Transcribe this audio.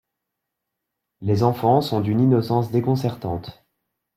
Les enfants sont d’une innocence déconcertante.